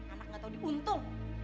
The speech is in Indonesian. anak gak tau diuntung